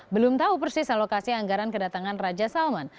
belum tahu persis alokasi anggaran kedatangan raja salman